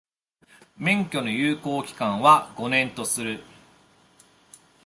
免許の有効期間は、五年とする。